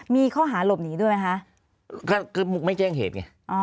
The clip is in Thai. มีข้อหาหลบหนีด้วยมั้ยคะคือมุกไม่แจ้งเหตุไงอ๋อ